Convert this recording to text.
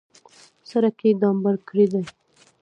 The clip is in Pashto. سړک یې ډامبر کړی دی.